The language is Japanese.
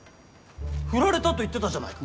振られたと言ってたじゃないか。